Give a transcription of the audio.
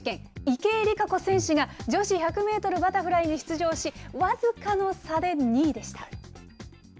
池江璃花子選手が、女子１００メートルバタフライに出場し、僅かの差で２位でした。